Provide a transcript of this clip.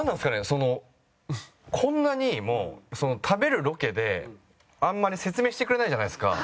そのこんなにも食べるロケであんまり説明してくれないじゃないですか。